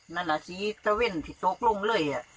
นั่นแหละสีเต้าเว่นที่โต๊ะลงเลยอ่ะ